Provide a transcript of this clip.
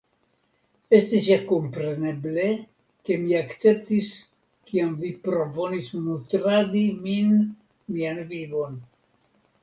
Estis ja kompreneble, ke mi akceptis kiam vi proponis nutradi min mian vivon.